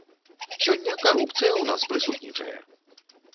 Сёння карупцыя ў нас прысутнічае!